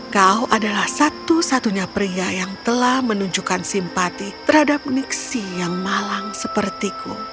kau adalah satu satunya pria yang telah menunjukkan simpati terhadap niksi yang malang sepertiku